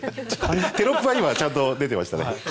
テロップはちゃんと出てましたね。